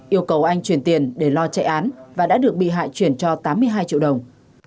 yêu cầu anh chuyển tiền để lo chạy án và đã được bị hại chuyển cho tám mươi hai triệu đồng